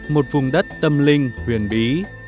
một vùng đất tâm linh huyền bí